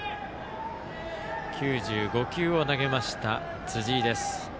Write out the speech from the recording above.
９５球を投げた辻井です。